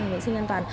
vệ sinh an toàn